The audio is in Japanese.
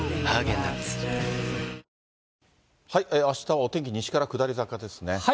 あしたはお天気、西から下り坂ですね。